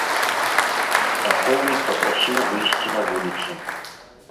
Ахоўнік папрасіў выйсці на вуліцу.